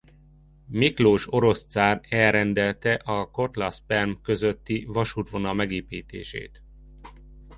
Miklós orosz cár elrendelte a Kotlasz–Perm közötti vasútvonal megépítését.